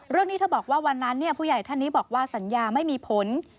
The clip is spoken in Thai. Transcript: เรื่องนี้เธอบอกว่าวันนั้นผู้ใหญ่ท่านนี้บอกว่าสัญญาไม่มีผล